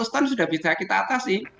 seratus ton sudah bisa kita atasi